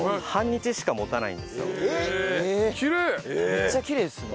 めっちゃキレイですね。